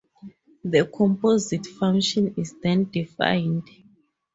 The composite function is then defined.